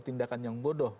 tindakan yang bodoh